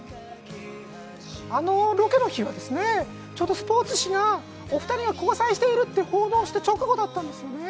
あのロケの日はですね、ちょうどスポーツ紙がお二人が交際していると報道した直後だったんですよね、